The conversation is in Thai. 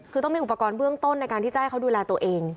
คือต้องมีอุปกรณ์เบื้องต้นในการที่จะให้เขาดูแลตัวเอง